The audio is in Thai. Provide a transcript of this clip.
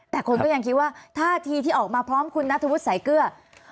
แต่คนก็ยังคิดว่าท่าทีที่ออกมาพร้อมคุณนัทธวุฒิสายเกลือ